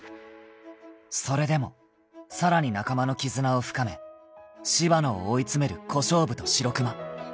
［それでもさらに仲間の絆を深め柴野を追い詰める小勝負と白熊］